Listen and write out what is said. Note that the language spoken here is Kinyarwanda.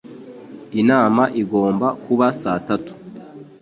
Inama igomba kuba saa tatu.